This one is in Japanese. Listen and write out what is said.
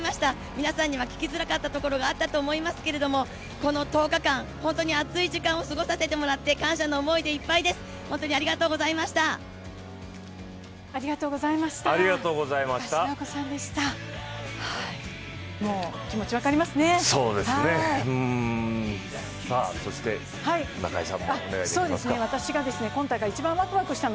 皆さんには聞きづらかったこともあったと思いますけれどもこの１０日間、本当に熱い時間を過ごさせてもらって感謝の思いでいっぱいです、本当にありがとうございました。